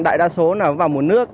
đại đa số là vào mùa nước